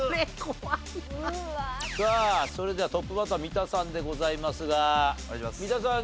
さあそれではトップバッター三田さんでございますが三田さん